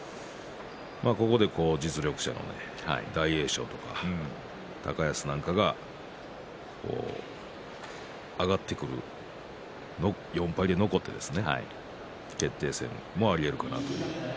ここで実力者の大栄翔とか高安なんかが上がってくる、４敗で残ってですね決定戦もありうるかなと。